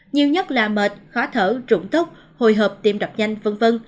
nhiều nhất là mệt khó thở rụng tốc hồi hợp tim đập nhanh v v